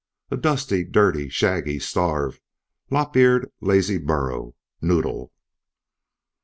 "A dusty, dirty, shaggy, starved, lop eared, lazy burro Noddle!"